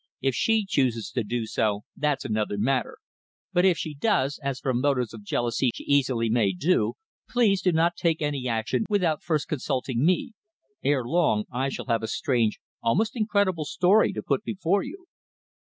If she chooses to do so that's another matter. But if she does as from motives of jealousy she easily may do please do not take any action without first consulting me. Ere long I shall have a strange, almost incredible, story to put before you."